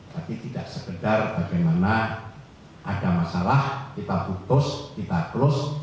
tapi tidak sekedar bagaimana ada masalah kita putus kita close